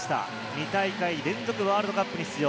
２大会連続ワールドカップに出場。